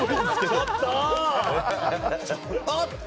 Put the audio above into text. ちょっと！